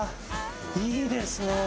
いいですね。